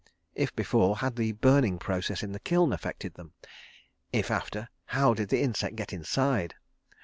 If before, had the burning process in the kiln affected them? If after, how did the insect get inside?